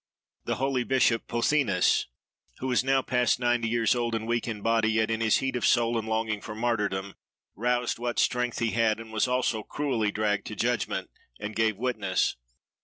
"The holy bishop Pothinus, who was now past ninety years old and weak in body, yet in his heat of soul and longing for martyrdom, roused what strength he had, and was also cruelly dragged to judgment, and gave witness.